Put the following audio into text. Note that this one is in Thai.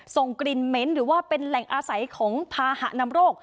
ส่งกลิ่นเหม็นหรือว่าเป็นแหล่งอาศัยของภาหะนำโรค